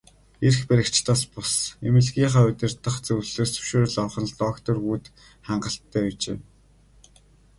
Эрх баригчдаас бус, эмнэлгийнхээ удирдах зөвлөлөөс зөвшөөрөл авах нь л доктор Вүд хангалттай байжээ.